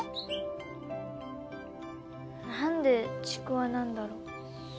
なんでちくわなんだろう？